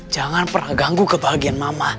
jangan pernah ganggu kebahagiaan mama